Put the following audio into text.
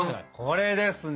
これですね！